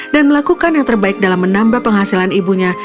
dan melakukan yang terbaik dalam menambah penghasilan ibunya